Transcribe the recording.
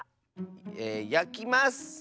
えやきます！